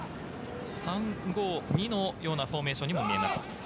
３−５ー２のようなフォーメーションにも見えます。